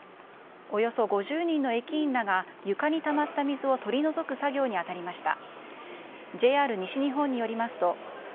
およそ５０人の駅員らが床にたまった水を取り除く作業に当たりました。